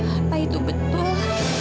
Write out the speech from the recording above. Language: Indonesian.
apa itu betul